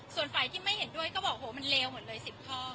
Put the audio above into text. ส่วนฝ่ายที่ไม่เห็นด้วยก็บอกโหมันเลวหมดเลย๑๐ข้อ